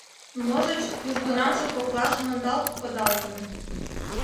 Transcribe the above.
Можыч, южгунамже коклаш мондалт кодалтын.